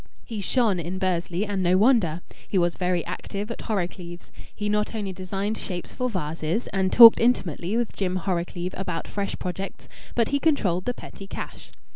He shone in Bursley, and no wonder! He was very active at Horrocleave's. He not only designed shapes for vases, and talked intimately with Jim Horrocleave about fresh projects, but he controlled the petty cash.